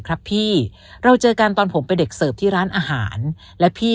ครับพี่เราเจอกันตอนผมเป็นเด็กเสิร์ฟที่ร้านอาหารและพี่